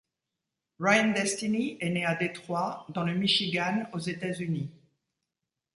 Ryan Destiny est née à Détroit dans le Michigan aux États-Unis.